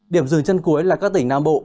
điểm dừng chân cuối là các tỉnh nam bộ